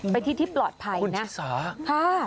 ไปที่ที่ปลอดภัยคุณนะ